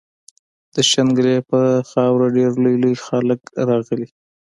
د شانګلې پۀ خاوره ډېر لوئ لوئ خلق راغلي